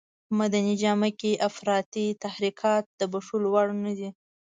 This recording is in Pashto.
په مدني جامه کې افراطي تحرکات د بښلو وړ نه دي.